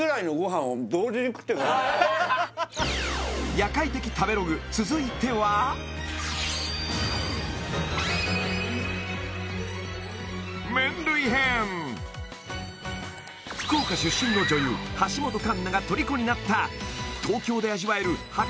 夜会的食べログ続いては麺類編福岡出身の女優橋本環奈がとりこになった